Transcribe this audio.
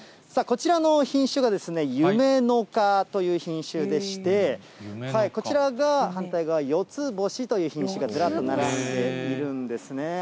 こちらの品種が、ゆめのかという品種でして、こちらが反対側、よつぼしという品種がずらっと並んでいるんですね。